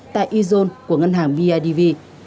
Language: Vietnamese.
tại ezone của ngân hàng bidv